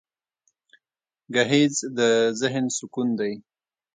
سهار د ذهن سکون دی.